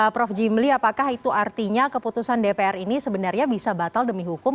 prof jimli apakah itu artinya keputusan dpr ini sebenarnya bisa batal demi hukum